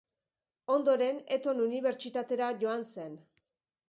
Ondoren, Eton Unibertsitatera joan zen.